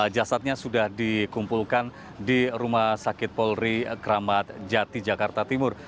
jasadnya sudah dikumpulkan di rumah sakit polri kramat jati jakarta timur